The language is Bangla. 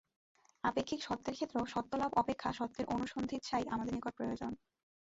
আপেক্ষিক সত্যের ক্ষেত্রেও সত্যলাভ অপেক্ষা সত্যের অনুসন্ধিৎসাই আমাদের নিকট প্রয়োজন।